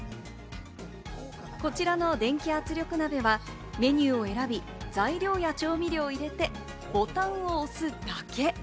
こちらの電気圧力鍋はメニューを選び、材料や調味料を入れて、ボタンを押すだけ。